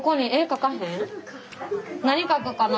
何描くかな。